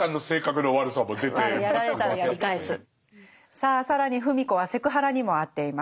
さあ更に芙美子はセクハラにも遭っています。